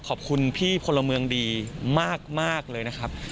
ขอบคุณพี่โผละเมืองดีมากมากเลยนะคับ